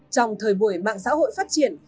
trong thời buổi mạng xã hội phát triển